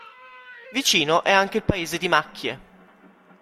Vicino è anche il paese di Macchie.